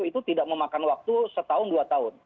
itu tidak memakan waktu setahun dua tahun